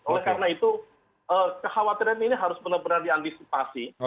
oleh karena itu kekhawatiran ini harus benar benar diantisipasi